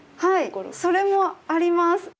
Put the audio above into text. はいそれもあります。